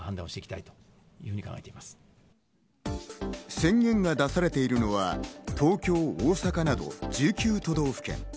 宣言が出されているのは、東京、大阪など１９都道府県。